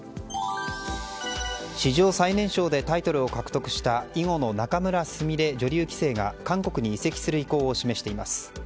史上最年少でタイトルを獲得した囲碁の仲邑菫女流棋聖が韓国に移籍する意向を示しています。